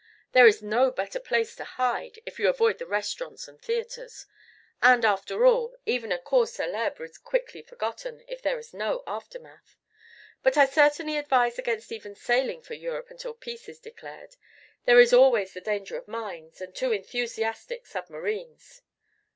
There is no better place to hide if you avoid the restaurants and theatres. And after all, even a cause célèbre is quickly forgotten if there is no aftermath. But I certainly advise against even sailing for Europe until peace is declared. There is always the danger of mines and too enthusiastic submarines."